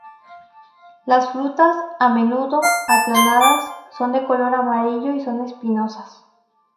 Las frutas, a menudo, aplanadas, son de color amarillo y son espinosas.